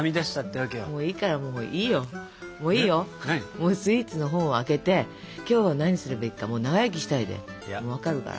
もうスイーツの本を開けて今日は何するべきかもう「長生きしたい」でもう分かるから。